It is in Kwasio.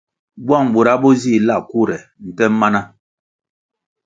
Bwang bura bo zih la kure nte mana.